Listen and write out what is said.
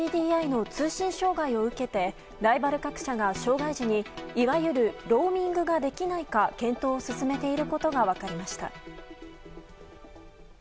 ＫＤＤＩの通信障害を受けてライバル各社が障害時にいわゆるローミングができないか検討を進めていることが分かりました。